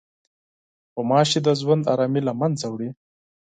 غوماشې د ژوند ارامي له منځه وړي.